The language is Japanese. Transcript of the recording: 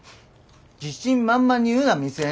自信満々に言うな未成年。